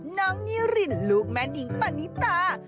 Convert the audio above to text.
น้องนิรินลูกแม่นิงปณิตา